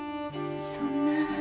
そんな。